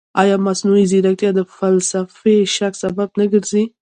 ایا مصنوعي ځیرکتیا د فلسفي شک سبب نه ګرځي؟